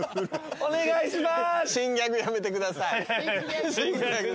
お願いします。